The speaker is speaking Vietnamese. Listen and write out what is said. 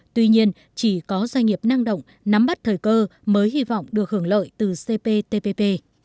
tuy nhiên chỉ có doanh nghiệp năng động nắm bắt thời cơ mới hy vọng được hưởng lợi từ cptpp